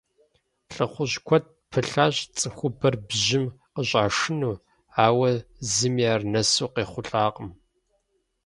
ЛӀыхъужь куэд пылъащ цӀыхубэр бжьым къыщӀашыну, ауэ зыми ар нэсу къехъулӀакъым.